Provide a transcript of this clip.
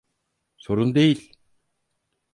Sorun değil!